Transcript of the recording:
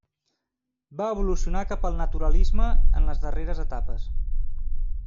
Va evolucionar cap al naturalisme en les darreres etapes.